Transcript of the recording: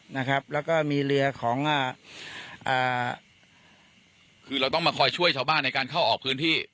นะครับแล้วก็มีเรือของอ่าคือเราต้องมาคอยช่วยชาวบ้านในการเข้าออกพื้นที่